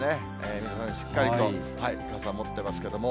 皆さん、しっかりと傘持ってますけども。